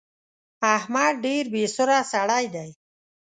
احمد ډېر بې سره سړی دی.